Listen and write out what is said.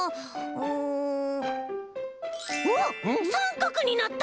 うわっさんかくになった！